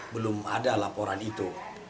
belum ada laporan itu